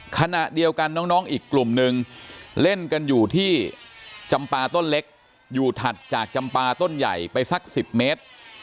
ขณะเดียวกันน้องอีกกลุ่มนึงเล่นกันอยู่ที่จำปลาต้นเล็กอยู่ถัดจากจำปลาต้นใหญ่ไปสัก๑๐เมตร